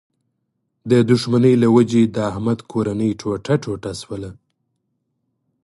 د دوښمنۍ له و جې د احمد کورنۍ ټوټه ټوټه شوله.